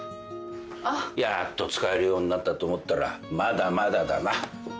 やっと使えるようになったと思ったらまだまだだな。